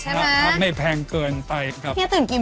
ใช่ไหมครับไม่แพงเกินไปครับ